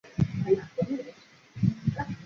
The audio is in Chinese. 博雷的总面积为平方公里。